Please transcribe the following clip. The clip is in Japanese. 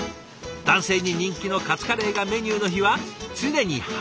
男性に人気のカツカレーがメニューの日は「常に早い者勝ち！」